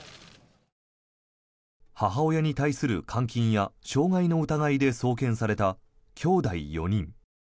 母親に対する監禁や傷害の疑いで送検されたきょうだい４人。